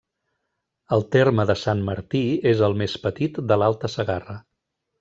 El terme de Sant Martí és el més petit de l'Alta Segarra.